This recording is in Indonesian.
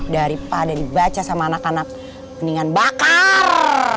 daripada dibaca sama anak anak kuningan bakar